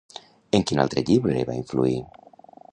En quin altre llibre va influir?